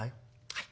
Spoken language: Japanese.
「はい。